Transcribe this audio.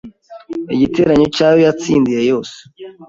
igiteranyo cy’ayo yatsindiye yose